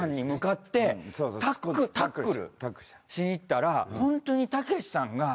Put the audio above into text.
しにいったらホントにたけしさんが。